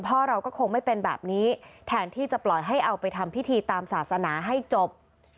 พ่อเราก็คงไม่เป็นแบบนี้แทนที่จะปล่อยให้เอาไปทำพิธีตามศาสนาให้จบ